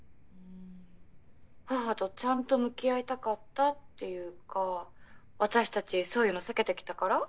母とちゃんと向き合いたかったっていうか私たちそういうの避けてきたから。